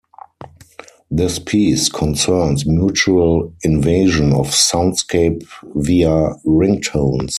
This piece concerns mutual invasion of soundscape via ringtones.